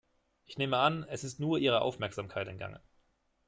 Ich nehme an, es ist nur Ihrer Aufmerksamkeit entgangen.